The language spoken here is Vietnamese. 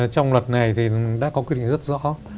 trong luật này thì đã có quy định rất rõ